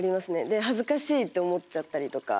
ではずかしいって思っちゃったりとか。